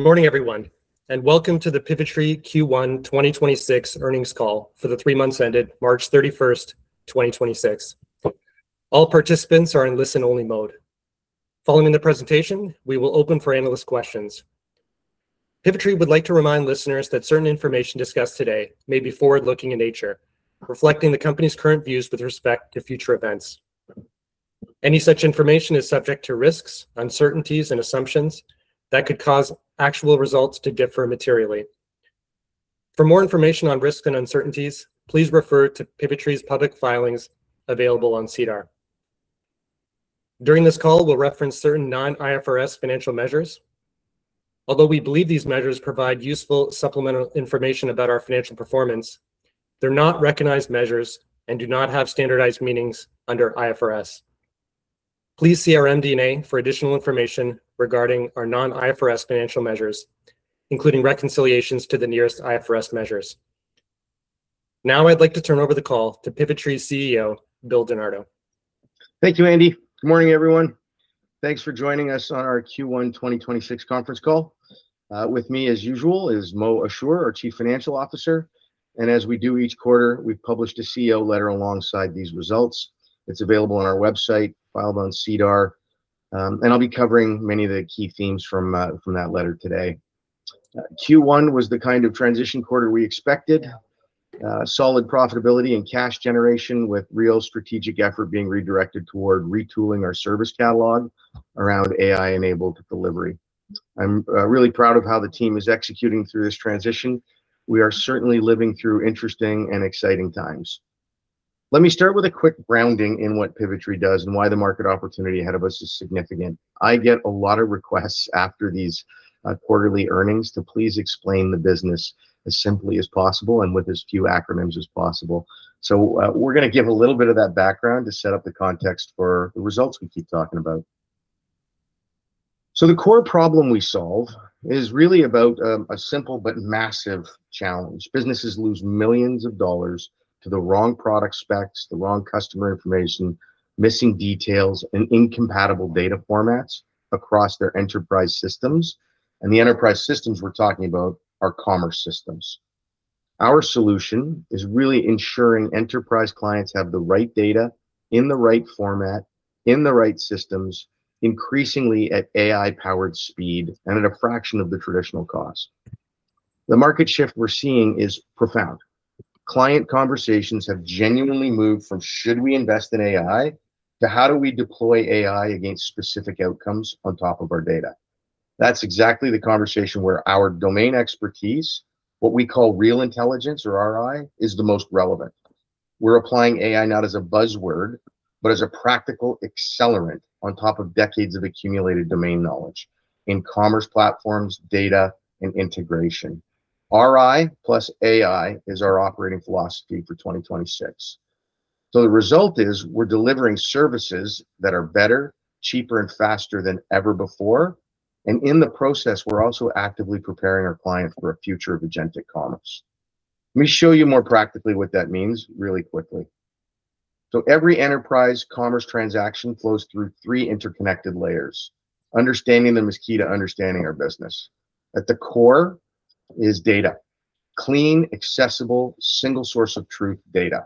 Good morning, everyone, and welcome to the Pivotree Q1 2026 earnings call for the three months ended March 31st, 2026. All participants are in listen-only mode. Following the presentation, we will open for analyst questions. Pivotree would like to remind listeners that certain information discussed today may be forward-looking in nature, reflecting the company's current views with respect to future events. Any such information is subject to risks, uncertainties, and assumptions that could cause actual results to differ materially. For more information on risks and uncertainties, please refer to Pivotree's public filings available on SEDAR. During this call, we'll reference certain non-IFRS financial measures. Although we believe these measures provide useful supplemental information about our financial performance, they're not recognized measures and do not have standardized meanings under IFRS. Please see our MD&A for additional information regarding our non-IFRS financial measures, including reconciliations to the nearest IFRS measures. Now I'd like to turn over the call to Pivotree's CEO, Bill Di Nardo. Thank you, Andy. Good morning, everyone. Thanks for joining us on our Q1 2026 conference call. With me as usual is Mo Ashoor, our Chief Financial Officer, and as we do each quarter, we've published a CEO letter alongside these results. It's available on our website, filed on SEDAR, and I'll be covering many of the key themes from that letter today. Q1 was the kind of transition quarter we expected. Solid profitability and cash generation with real strategic effort being redirected toward retooling our service catalog around AI-enabled delivery. I'm really proud of how the team is executing through this transition. We are certainly living through interesting and exciting times. Let me start with a quick grounding in what Pivotree does and why the market opportunity ahead of us is significant. I get a lot of requests after these quarterly earnings to please explain the business as simply as possible and with as few acronyms as possible. We're gonna give a little bit of that background to set up the context for the results we keep talking about. The core problem we solve is really about a simple but massive challenge. Businesses lose millions of dollars to the wrong product specs, the wrong customer information, missing details, and incompatible data formats across their enterprise systems, and the enterprise systems we're talking about are commerce systems. Our solution is really ensuring enterprise clients have the right data in the right format in the right systems, increasingly at AI-powered speed and at a fraction of the traditional cost. The market shift we're seeing is profound. Client conversations have genuinely moved from should we invest in AI to how do we deploy AI against specific outcomes on top of our data? That's exactly the conversation where our domain expertise, what we call Real Intelligence or RI, is the most relevant. We're applying AI not as a buzzword, but as a practical accelerant on top of decades of accumulated domain knowledge in commerce platforms, data, and integration. RI plus AI is our operating philosophy for 2026. The result is we're delivering services that are better, cheaper, and faster than ever before, and in the process, we're also actively preparing our client for a future of agentic commerce. Let me show you more practically what that means really quickly. Every enterprise commerce transaction flows through three interconnected layers. Understanding them is key to understanding our business. At the core is data. Clean, accessible, single source of truth data.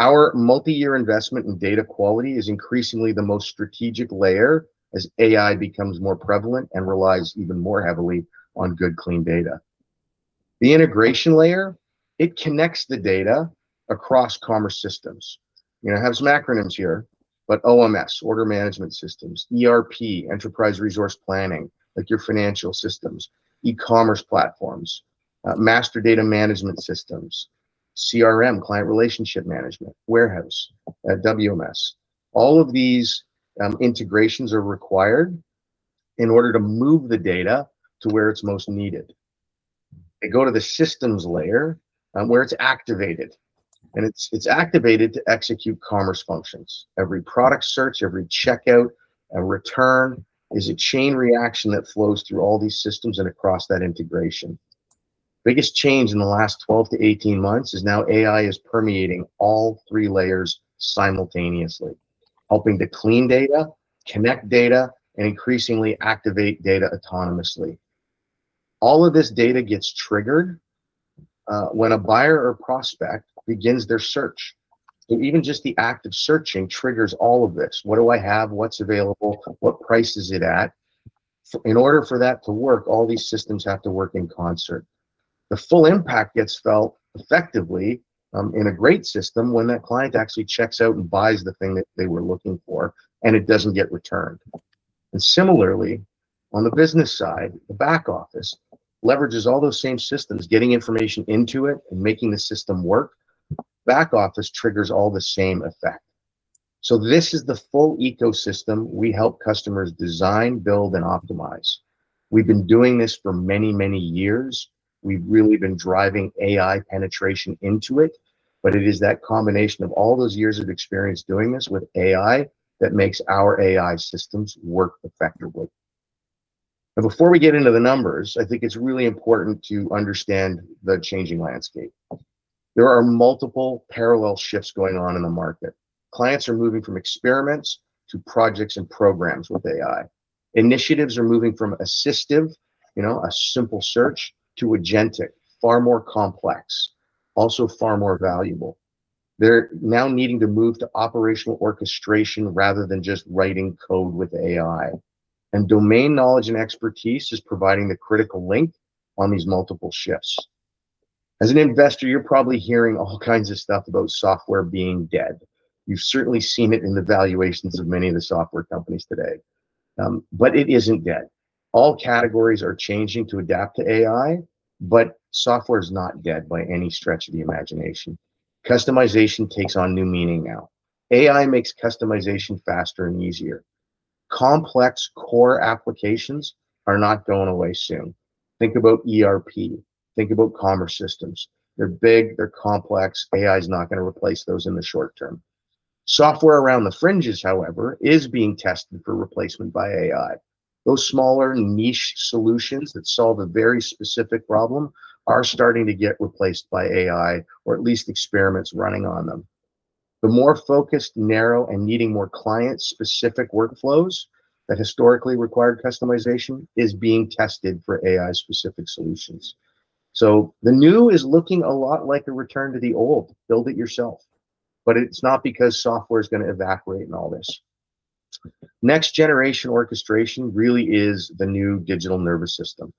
Our multi-year investment in data quality is increasingly the most strategic layer as AI becomes more prevalent and relies even more heavily on good, clean data. The integration layer, it connects the data across commerce systems. You know, I have some acronyms here, but OMS, order management systems, ERP, enterprise resource planning, like your financial systems, e-commerce platforms, master data management systems, CRM, client relationship management, warehouse, WMS. All of these integrations are required in order to move the data to where it's most needed. They go to the systems layer, where it's activated, and it's activated to execute commerce functions. Every product search, every checkout, a return is a chain reaction that flows through all these systems and across that integration. Biggest change in the last 12-18 months is now AI is permeating all three layers simultaneously, helping to clean data, connect data, and increasingly activate data autonomously. All of this data gets triggered when a buyer or prospect begins their search. Even just the act of searching triggers all of this. What do I have? What's available? What price is it at? In order for that to work, all these systems have to work in concert. The full impact gets felt effectively in a great system when that client actually checks out and buys the thing that they were looking for, and it doesn't get returned. Similarly, on the business side, the back office leverages all those same systems, getting information into it and making the system work. Back office triggers all the same effect. This is the full ecosystem we help customers design, build, and optimize. We've been doing this for many, many years. We've really been driving AI penetration into it, but it is that combination of all those years of experience doing this with AI that makes our AI systems work effectively. Before we get into the numbers, I think it's really important to understand the changing landscape. There are multiple parallel shifts going on in the market. Clients are moving from experiments to projects and programs with AI. Initiatives are moving from assistive, you know, a simple search, to agentic. Far more complex, also far more valuable. They're now needing to move to operational orchestration rather than just writing code with AI, and domain knowledge and expertise is providing the critical link on these multiple shifts. As an investor, you're probably hearing all kinds of stuff about software being dead. You've certainly seen it in the valuations of many of the software companies today, but it isn't dead. All categories are changing to adapt to AI, but software is not dead by any stretch of the imagination. Customization takes on new meaning now. AI makes customization faster and easier. Complex core applications are not going away soon. Think about ERP. Think about commerce systems. They're big, they're complex. AI's not gonna replace those in the short term. Software around the fringes, however, is being tested for replacement by AI. Those smaller niche solutions that solve a very specific problem are starting to get replaced by AI, or at least experiments running on them. The more focused, narrow, and needing more client-specific workflows that historically required customization is being tested for AI-specific solutions. The new is looking a lot like a return to the old, build-it-yourself, but it's not because software's gonna evaporate and all this. Next-generation orchestration really is the new digital nervous system.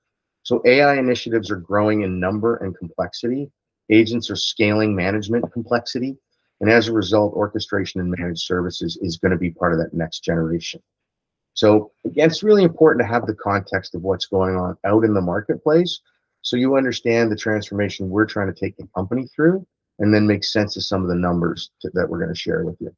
AI initiatives are growing in number and complexity. Agents are scaling management complexity, and as a result, orchestration and managed services is gonna be part of that next-generation. Again, it's really important to have the context of what's going on out in the marketplace, so you understand the transformation we're trying to take the company through, and then make sense of some of the numbers that we're gonna share with you.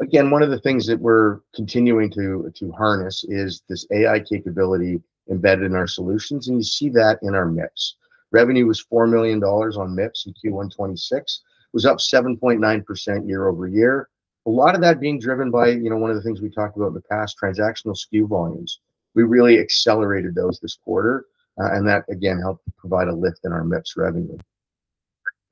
Again, one of the things that we're continuing to harness is this AI capability embedded in our solutions, and you see that in our MIPS. Revenue was 4 million dollars on MIPS in Q1 2026. It was up 7.9% year-over-year. A lot of that being driven by, you know, one of the things we talked about in the past, transactional SKU volumes. We really accelerated those this quarter, and that again helped provide a lift in our MIPS revenue.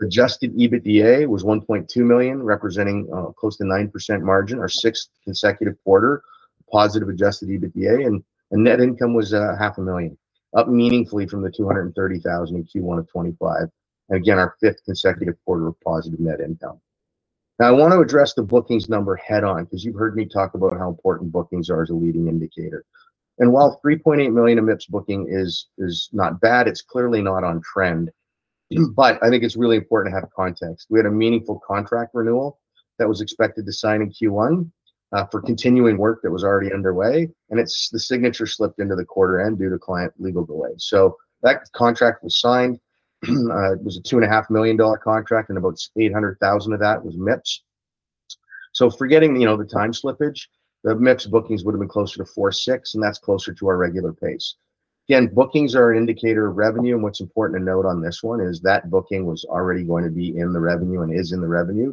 Adjusted EBITDA was 1.2 million, representing close to 9% margin, our sixth consecutive quarter, positive adjusted EBITDA, and net income was 500,000, up meaningfully from 230,000 in Q1 of 2025. Again, our fifth consecutive quarter of positive net income. Now, I want to address the bookings number head-on, because you've heard me talk about how important bookings are as a leading indicator. While 3.8 million in MIPS booking is not bad, it's clearly not on trend. I think it's really important to have context. We had a meaningful contract renewal that was expected to sign in Q1 for continuing work that was already underway, and it's the signature slipped into the quarter end due to client legal delays. That contract was signed. It was a 2.5 million dollar contract, and about 800,000 of that was MIPS. Forgetting, you know, the time slippage, the MIPS bookings would've been closer to 4.6 million, and that's closer to our regular pace. Again, bookings are an indicator of revenue, and what's important to note on this one is that booking was already going to be in the revenue and is in the revenue.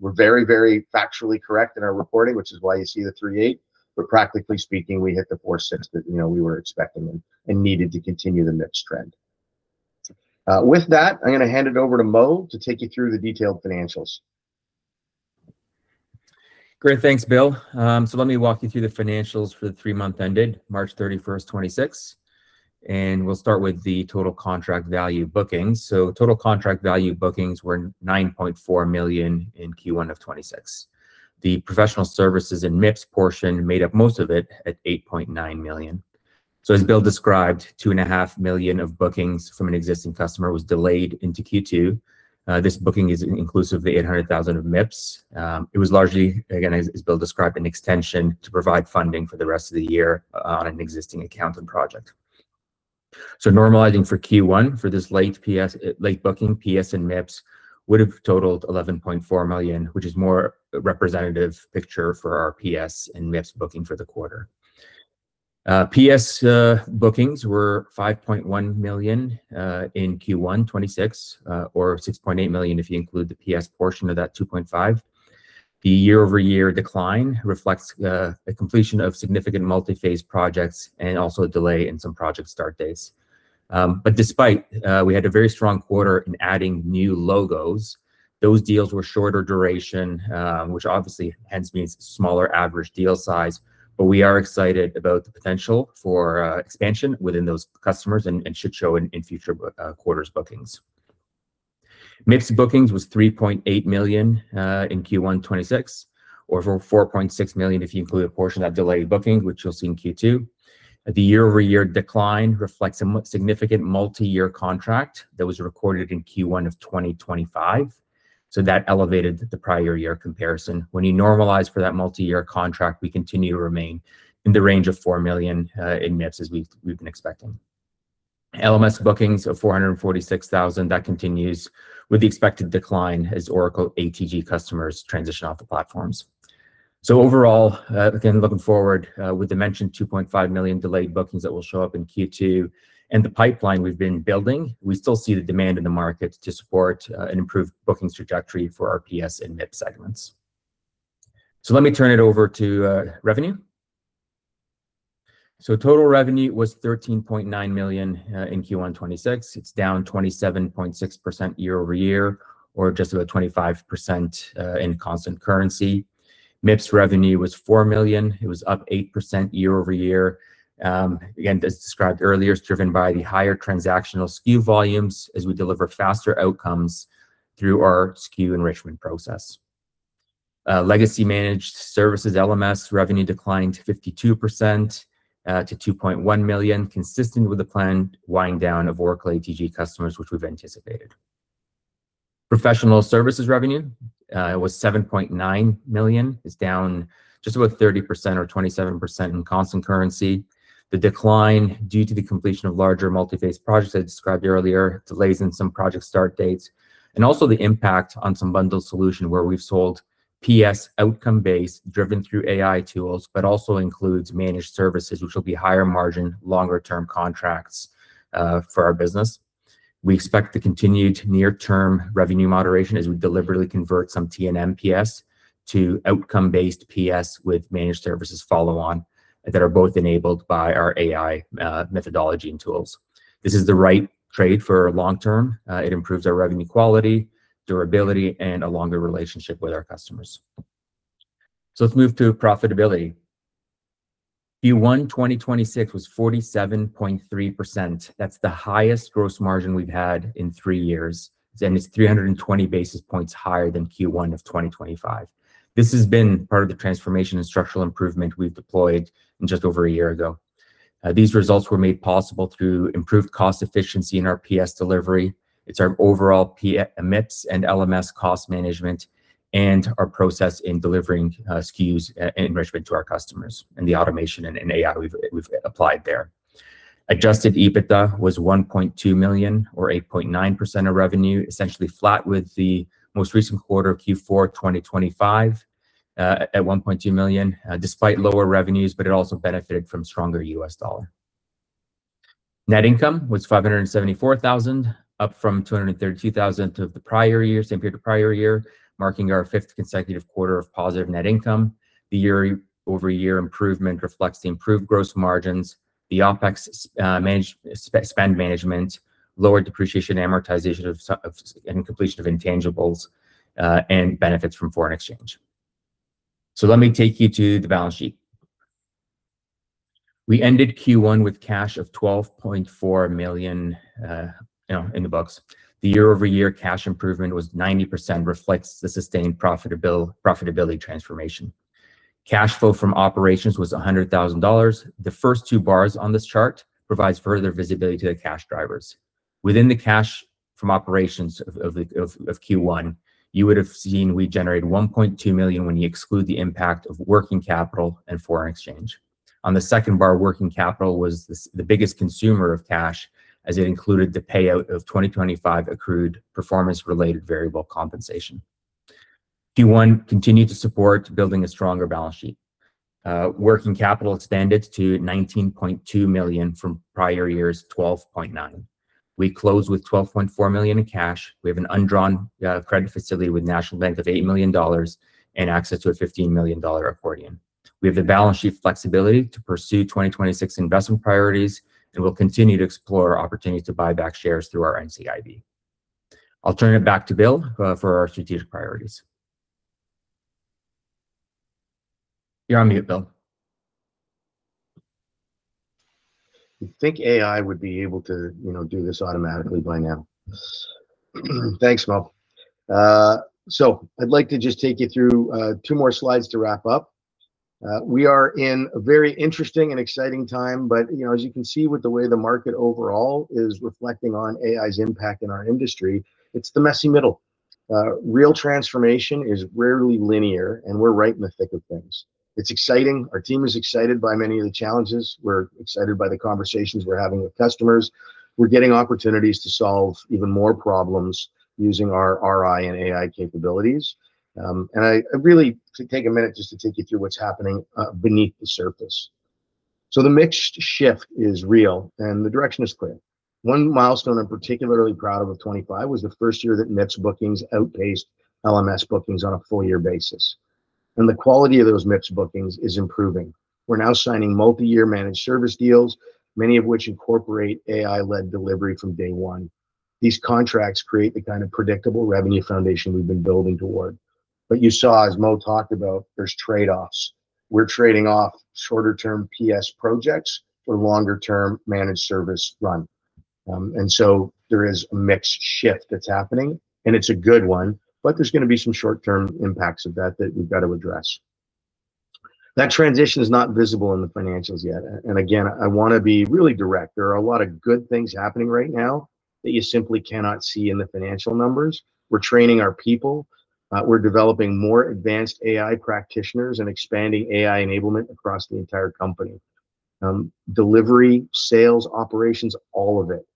We're very, very factually correct in our reporting, which is why you see the 3.8 million, but practically speaking, we hit the 4.6 million that, you know, we were expecting and needed to continue the MIPS trend. With that, I'm gonna hand it over to Mo to take you through the detailed financials. Great. Thanks, Bill. Let me walk you through the financials for the three-month ended March 31st, 2026, and we'll start with the Total Contract Value bookings. Total Contract Value bookings were 9.4 million in Q1 2026. The Professional Services and MIPS portion made up most of it at 8.9 million. As Bill described, 2.5 million of bookings from an existing customer was delayed into Q2. This booking is inclusive of the 800,000 of MIPS. It was largely, again, as Bill described, an extension to provide funding for the rest of the year on an existing account and project. Normalizing for Q1 for this late PS, late booking, PS and MIPS would've totaled 11.4 million, which is more a representative picture for our PS and MIPS booking for the quarter. PS bookings were 5.1 million in Q1 2026, or 6.8 million if you include the PS portion of that 2.5 million. The year-over-year decline reflects a completion of significant multi-phase projects and also a delay in some project start dates. Despite, we had a very strong quarter in adding new logos. Those deals were shorter duration, which obviously hence means smaller average deal size. We are excited about the potential for expansion within those customers and should show in future quarters' bookings. MIPS bookings was 3.8 million in Q1 2026, or 4.6 million if you include a portion of that delayed booking, which you'll see in Q2. The year-over-year decline reflects a significant multi-year contract that was recorded in Q1 of 2025, that elevated the prior-year comparison. When you normalize for that multi-year contract, we continue to remain in the range of 4 million in MIPS as we've been expecting. LMS bookings of 446,000, that continues with the expected decline as Oracle ATG customers transition off the platforms. Overall, again, looking forward, with the mentioned 2.5 million delayed bookings that will show up in Q2 and the pipeline we've been building, we still see the demand in the market to support an improved bookings trajectory for our PS and MIPS segments. Let me turn it over to revenue. Total revenue was 13.9 million in Q1 2026. It's down 27.6% year-over-year or just about 25% in constant currency. MIPS revenue was 4 million. It was up 8% year-over-year. Again, as described earlier, it's driven by the higher transactional SKU volumes as we deliver faster outcomes through our SKU enrichment process. Legacy Managed Services, LMS, revenue declined 52% to 2.1 million, consistent with the planned winding down of Oracle ATG customers, which we've anticipated. Professional Services revenue was 7.9 million. It's down just about 30% or 27% in constant currency. The decline due to the completion of larger multi-phase projects I described earlier, delays in some project start dates, and also the impact on some bundled solution where we've sold PS outcome-based driven through AI tools, but also includes Managed Services, which will be higher-margin, longer-term contracts for our business. We expect the continued near-term revenue moderation as we deliberately convert some T&M PS to outcome-based PS with Managed Services follow on that are both enabled by our AI methodology and tools. This is the right trade for long-term. It improves our revenue quality, durability, and a longer relationship with our customers. Let's move to profitability. Q1 2026 was 47.3%. That's the highest gross margin we've had in three years, and it's 320 basis points higher than Q1 of 2025. This has been part of the transformation and structural improvement we've deployed in just over a year ago. These results were made possible through improved cost efficiency in our PS delivery. It's our overall MIPS and LMS cost management and our process in delivering SKUs enrichment to our customers and the automation and AI we've applied there. Adjusted EBITDA was 1.2 million or 8.9% of revenue, essentially flat with the most recent quarter, Q4 2025, at 1.2 million, despite lower revenues. It also benefited from stronger U.S. dollar. Net income was 574,000, up from 232,000 to the prior year, same period the prior year, marking our fifth consecutive quarter of positive net income. The year-over-year improvement reflects the improved gross margins, the OpEx spend management, lower depreciation amortization of and completion of intangibles, benefits from foreign exchange. Let me take you to the balance sheet. We ended Q1 with cash of 12.4 million, you know, in the books. The year-over-year cash improvement was 90% reflects the sustained profitability transformation. Cash flow from operations was 100,000 dollars. The first two bars on this chart provides further visibility to the cash drivers. Within the cash from operations of Q1, you would have seen we generate 1.2 million when you exclude the impact of working capital and foreign exchange. On the second bar, working capital was the biggest consumer of cash as it included the payout of 2025 accrued performance-related variable compensation. Q1 continued to support building a stronger balance sheet. Working capital expanded to 19.2 million from prior year's 12.9 million. We closed with 12.4 million in cash. We have an undrawn credit facility with National Bank of 8 million dollars and access to a 15 million dollar accordion. We have the balance sheet flexibility to pursue 2026 investment priorities, and we'll continue to explore opportunities to buy back shares through our NCIB. I'll turn it back to Bill for our strategic priorities. You're on mute, Bill. You'd think AI would be able to, you know, do this automatically by now. Thanks, Mo. I'd like to just take you through two more slides to wrap up. We are in a very interesting and exciting time, you know, as you can see with the way the market overall is reflecting on AI's impact in our industry, it's the messy middle. Real transformation is rarely linear, we're right in the thick of things. It's exciting. Our team is excited by many of the challenges. We're excited by the conversations we're having with customers. We're getting opportunities to solve even more problems using our RI and AI capabilities. I really take a minute just to take you through what's happening beneath the surface. The mixed shift is real, the direction is clear. One milestone I'm particularly proud of with 2025 was the 1st year that MIPS bookings outpaced LMS bookings on a full-year basis, and the quality of those MIPS bookings is improving. We're now signing multi-year managed service deals, many of which incorporate AI-led delivery from day one. These contracts create the kind of predictable revenue foundation we've been building toward. You saw, as Mo talked about, there's trade-offs. We're trading off shorter term PS projects for longer-term managed service run. There is a mixed shift that's happening, and it's a good one, but there's gonna be some short-term impacts of that that we've got to address. That transition is not visible in the financials yet. Again, I wanna be really direct. There are a lot of good things happening right now that you simply cannot see in the financial numbers. We're training our people. We're developing more advanced AI practitioners and expanding AI enablement across the entire company. Delivery, sales, operations, all of it.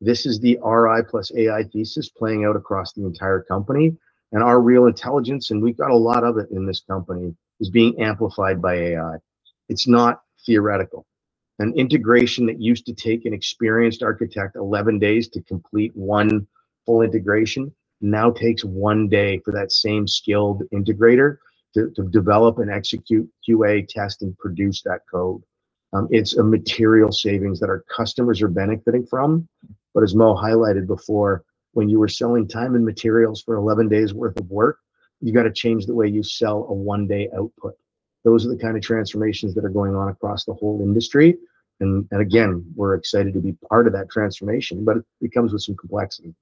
This is the RI plus AI thesis playing out across the entire company. Our Real Intelligence, and we've got a lot of it in this company, is being amplified by AI. It's not theoretical. An integration that used to take an experienced architect 11 days to complete one full integration now takes one day for that same skilled integrator to develop and execute QA test and produce that code. It's a material savings that our customers are benefiting from. As Mo highlighted before, when you were selling time and materials for 11 days worth of work, you gotta change the way you sell a one-day output. Those are the kind of transformations that are going on across the whole industry. Again, we're excited to be part of that transformation, but it comes with some complexity.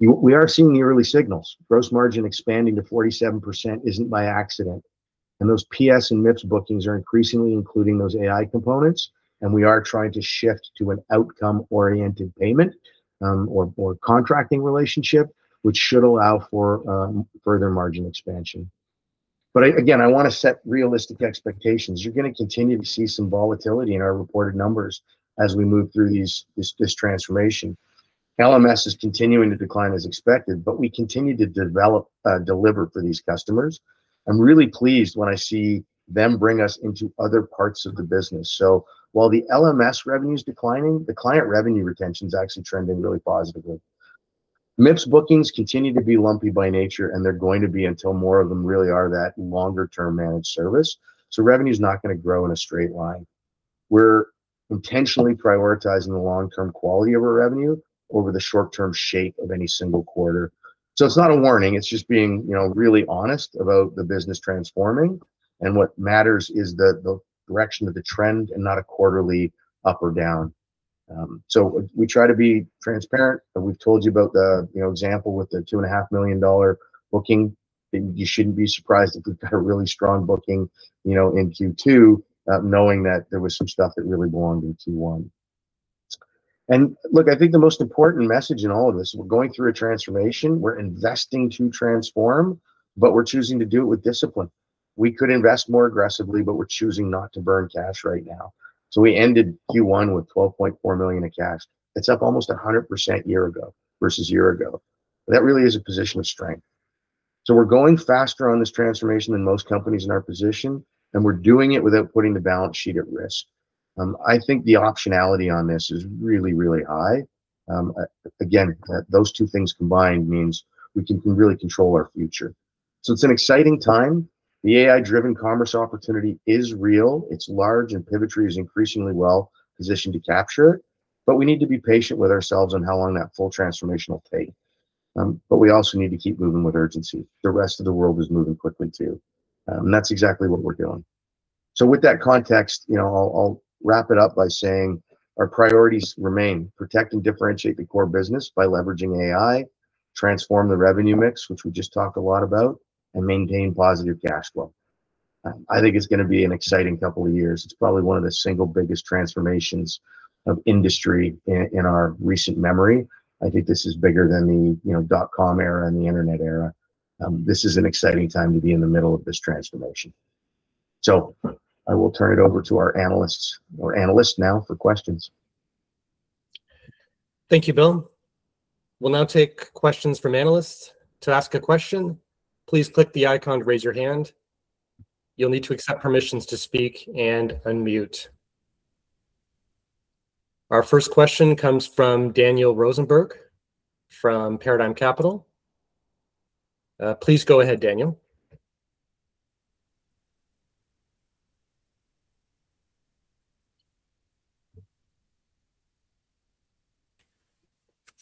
We are seeing the early signals. Gross margin expanding to 47% isn't by accident, and those PS and MIPS bookings are increasingly including those AI components, and we are trying to shift to an outcome-oriented payment or contracting relationship, which should allow for further margin expansion. Again, I wanna set realistic expectations. You're gonna continue to see some volatility in our reported numbers as we move through this transformation. LMS is continuing to decline as expected, but we continue to deliver for these customers. I'm really pleased when I see them bring us into other parts of the business. While the LMS revenue's declining, the client revenue retention's actually trending really positively. MIPS bookings continue to be lumpy by nature, and they're gonna be until more of them really are that longer-term managed service. Revenue's not gonna grow in a straight line. We're intentionally prioritizing the long-term quality of our revenue over the short-term shape of any single quarter. It's not a warning, it's just being, you know, really honest about the business transforming, and what matters is the direction of the trend and not a quarterly up or down. We try to be transparent, and we've told you about the, you know, example with the 2.5 million dollar booking. You shouldn't be surprised if we've got a really strong booking, you know, in Q2, knowing that there was some stuff that really belonged in Q1. Look, I think the most important message in all of this, we're going through a transformation. We're investing to transform, but we're choosing to do it with discipline. We could invest more aggressively, but we're choosing not to burn cash right now. We ended Q1 with 12.4 million in cash. It's up almost 100% year-over-year. That really is a position of strength. We're going faster on this transformation than most companies in our position, and we're doing it without putting the balance sheet at risk. I think the optionality on this is really, really high. Again, those two things combined means we can really control our future. It's an exciting time. The AI-driven commerce opportunity is real. It's large, and Pivotree is increasingly well-positioned to capture it, but we need to be patient with ourselves on how long that full transformation will take. We also need to keep moving with urgency. The rest of the world is moving quickly too. That's exactly what we're doing. With that context, you know, I'll wrap it up by saying our priorities remain. Protect and differentiate the core business by leveraging AI, transform the revenue mix, which we just talked a lot about, and maintain positive cash flow. I think it's gonna be an exciting couple of years. It's probably one of the single biggest transformations of industry in our recent memory. I think this is bigger than the, you know, dot-com era and the internet era. This is an exciting time to be in the middle of this transformation. I will turn it over to our analyst now for questions. Thank you, Bill. We'll now take questions from analysts. To ask a question, please click the icon to raise your hand. You'll need to accept permissions to speak and unmute. Our first question comes from Daniel Rosenberg from Paradigm Capital. Please go ahead, Daniel.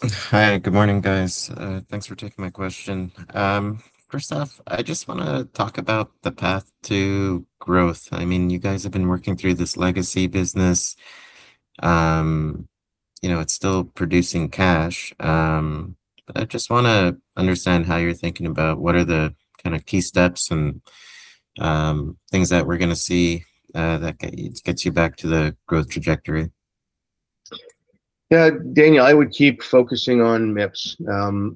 Hi. Good morning, guys. Thanks for taking my question. First off, I just wanna talk about the path to growth. I mean, you guys have been working through this Legacy business. You know, it's still producing cash. I just wanna understand how you're thinking about what are the kinda key steps and things that we're gonna see that gets you back to the growth trajectory. Daniel, I would keep focusing on MIPS.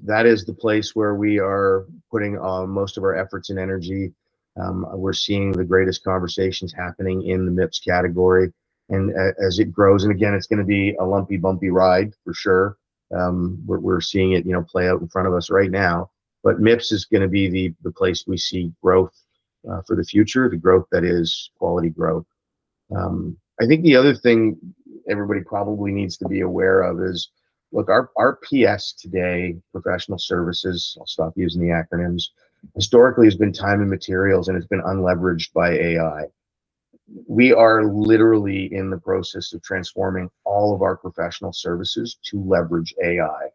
That is the place where we are putting most of our efforts and energy. We're seeing the greatest conversations happening in the MIPS category. As it grows, and again, it's gonna be a lumpy, bumpy ride for sure, we're seeing it, you know, play out in front of us right now, but MIPS is gonna be the place we see growth for the future, the growth that is quality growth. I think the other thing everybody probably needs to be aware is, look, our PS today, Professional Services, I'll stop using the acronyms, historically has been time and materials, and it's been unleveraged by AI. We are literally in the process of transforming all of our Professional Services to leverage AI.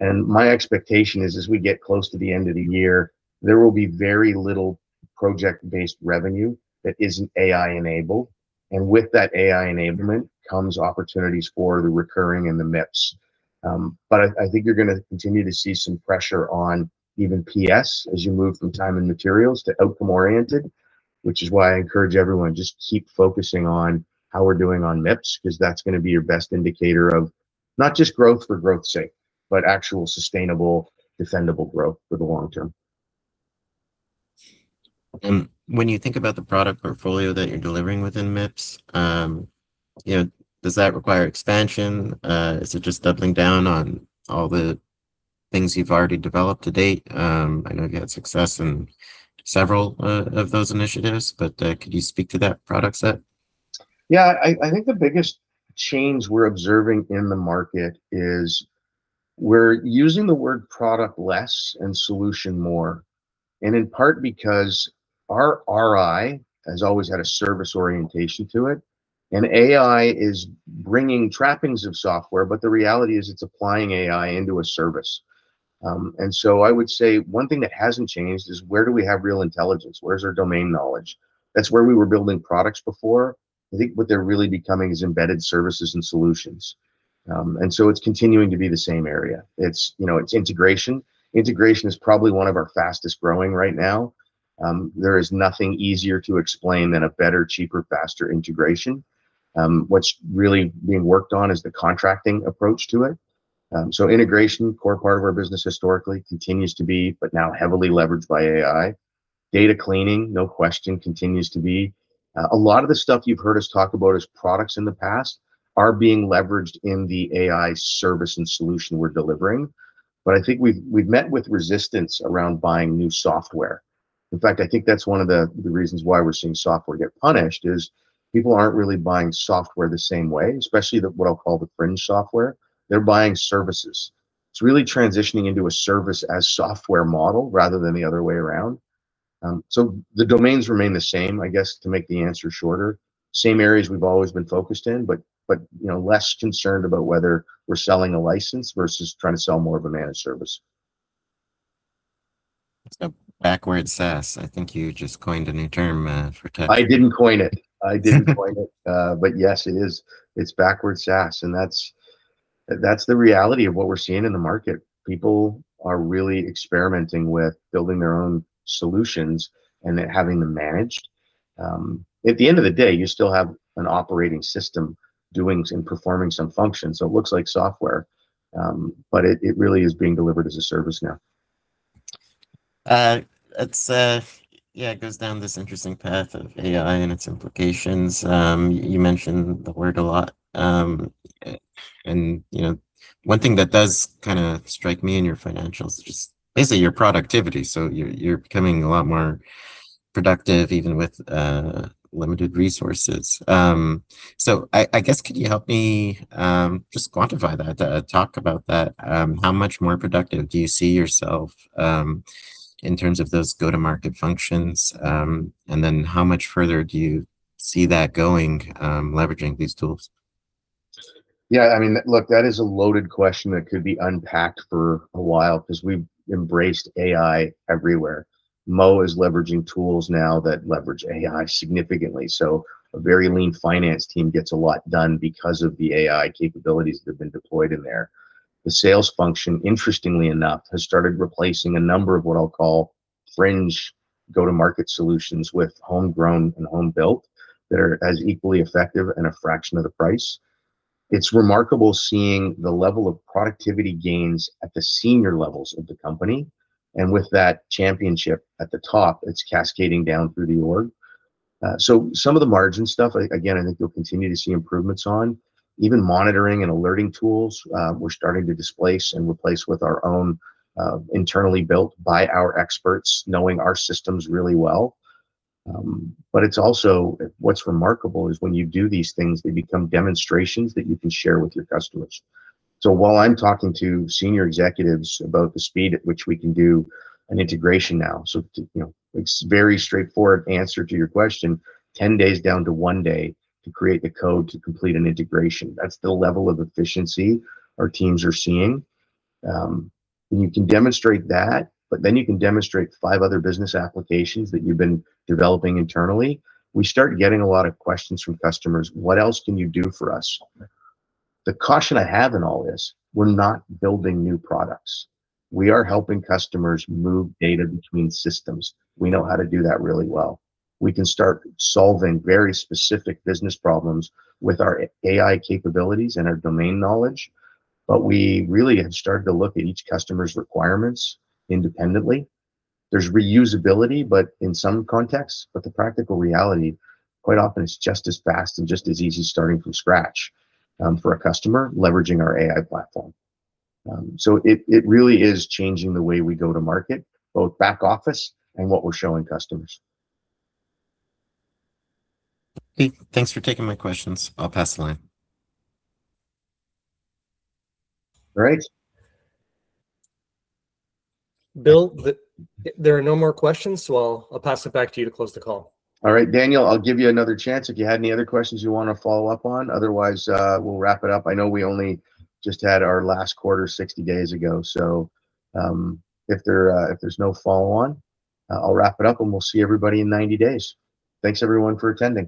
My expectation is, as we get close to the end of the year, there will be very little project-based revenue that isn't AI-enabled, and with that AI enablement comes opportunities for the recurring and the MIPS. I think you're gonna continue to see some pressure on even PS as you move from time and materials to outcome-oriented, which is why I encourage everyone, just keep focusing on how we're doing on MIPS, 'cause that's gonna be your best indicator of not just growth for growth's sake, but actual sustainable, defendable growth for the long term. When you think about the product portfolio that you're delivering within MIPS, you know, does that require expansion? Is it just doubling down on all the things you've already developed to date? I know you had success in several of those initiatives, but, could you speak to that product set? I think the biggest change we're observing in the market is we're using the word product less and solution more, and in part because our RI has always had a service orientation to it, and AI is bringing trappings of software, but the reality is it's applying AI into a service. I would say one thing that hasn't changed is where do we have Real Intelligence? Where's our domain knowledge? That's where we were building products before. I think what they're really becoming is embedded services and solutions. It's continuing to be the same area. It's, you know, it's integration. Integration is probably one of our fastest growing right now. There is nothing easier to explain than a better, cheaper, faster integration. What's really being worked on is the contracting approach to it. Integration, core part of our business historically continues to be, but now heavily leveraged by AI. Data cleaning, no question continues to be. A lot of the stuff you've heard us talk about as products in the past are being leveraged in the AI service and solution we're delivering. I think we've met with resistance around buying new software. In fact, I think that's one of the reasons why we're seeing software get punished is people aren't really buying software the same way, especially the, what I'll call the fringe software. They're buying services. It's really transitioning into a service as software model rather than the other way around. The domains remain the same, I guess, to make the answer shorter. Same areas we've always been focused in, but, you know, less concerned about whether we're selling a license versus trying to sell more of a managed service. Backwards SaaS, I think you just coined a new term, for tech. I didn't coin it. I didn't coin it. Yes, it is. It's backwards SaaS, and that's the reality of what we're seeing in the market. People are really experimenting with building their own solutions and then having them managed. At the end of the day, you still have an operating system doing and performing some function, so it looks like software, but it really is being delivered as a service now. It's, yeah, it goes down this interesting path of AI and its implications. You mentioned the word a lot. You know, one thing that does kind of strike me in your financials is just basically your productivity. You're becoming a lot more productive even with limited resources. I guess, could you help me just quantify that? Talk about that. How much more productive do you see yourself in terms of those go-to-market functions? How much further do you see that going leveraging these tools? Yeah, I mean, look, that is a loaded question that could be unpacked for a while because we've embraced AI everywhere. Mo is leveraging tools now that leverage AI significantly, so a very lean finance team gets a lot done because of the AI capabilities that have been deployed in there. The sales function, interestingly enough, has started replacing a number of what I'll call fringe go-to-market solutions with homegrown and home-built that are as equally effective and a fraction of the price. It's remarkable seeing the level of productivity gains at the senior levels of the company, and with that championship at the top, it's cascading down through the org. Some of the margin stuff, again, I think you'll continue to see improvements on. Even monitoring and alerting tools, we're starting to displace and replace with our own, internally built by our experts knowing our systems really well. It's also, what's remarkable is when you do these things, they become demonstrations that you can share with your customers. While I'm talking to senior executives about the speed at which we can do an integration now, you know, it's very straightforward answer to your question, 10 days down to one day to create the code to complete an integration. That's the level of efficiency our teams are seeing. When you can demonstrate that, but then you can demonstrate five other business applications that you've been developing internally, we start getting a lot of questions from customers, "What else can you do for us?" The caution I have in all this, we're not building new products. We are helping customers move data between systems. We know how to do that really well. We can start solving very specific business problems with our AI capabilities and our domain knowledge, but we really have started to look at each customer's requirements independently. There's reusability, but in some contexts, but the practical reality quite often is just as fast and just as easy as starting from scratch for a customer leveraging our AI platform. It really is changing the way we go to market, both back office and what we're showing customers. Great. Thanks for taking my questions. I'll pass the line. All right. Bill, there are no more questions, so I'll pass it back to you to close the call. All right. Daniel, I'll give you another chance if you had any other questions you wanna follow up on. Otherwise, we'll wrap it up. I know we only just had our last quarter 60 days ago, so, if there's no follow on, I'll wrap it up and we'll see everybody in 90 days. Thanks everyone for attending.